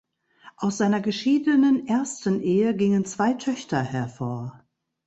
Aus seiner geschiedenen ersten Ehe gingen zwei Töchter hervor.